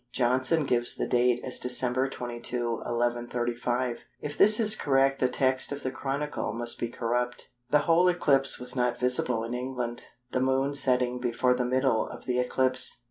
Johnson gives the date as Dec. 22, 1135. If this is correct the text of the Chronicle must be corrupt. The whole eclipse was not visible in England, the Moon setting before the middle of the eclipse.